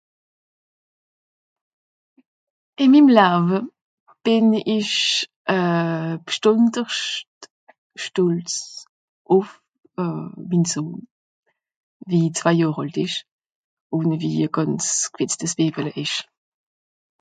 ìn mim lawe bìn ìsch euh b'stonderscht stòlz ùff euh min sohn wie zwai johr àlt esch ùn wie à gànz gwìtzes bevele esch